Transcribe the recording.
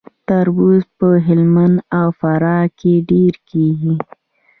تربوز په هلمند او فراه کې ډیر کیږي.